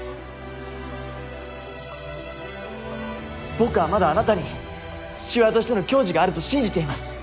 僕はまだあなたに父親としての矜持があると信じています。